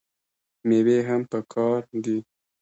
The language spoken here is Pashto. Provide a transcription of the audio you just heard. میوې هم پکار دي.